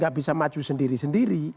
dia bisa maju sendiri sendiri